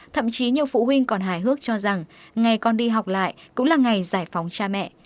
thậm chí nhiều phụ huynh còn hài hước cho rằng ngày con đi học lại cũng là ngày giải phóng cha mẹ